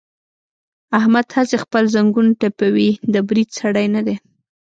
احمد هسې خپل زنګون ټپوي، د برید سړی نه دی.